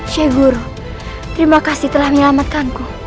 syahgur terima kasih telah menyelamatkan ku